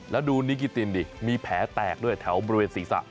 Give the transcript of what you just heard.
แล้วดูนิกิตินดิมีแผลแตกด้วยแถวบริเวณศีรษะ